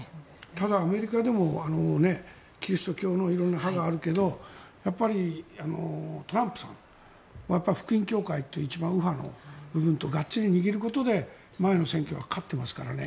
ただ、アメリカでもキリスト教の派があるけどやっぱりトランプさんは福音教会という一番右派の部分とがっつり握ることで前の選挙は勝ってますからね。